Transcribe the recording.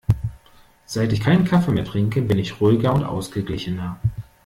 Seit ich keinen Kaffee mehr trinke, bin ich ruhiger und ausgeglichener.